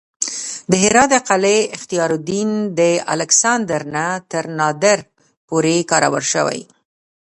د هرات د قلعه اختیارالدین د الکسندر نه تر نادر پورې کارول شوې